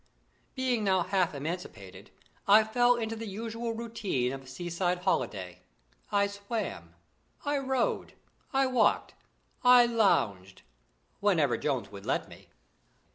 Being now half emancipated, I fell into the usual routine of a seaside holiday. I swam, I rowed, I walked, I lounged, whenever Jones would let me.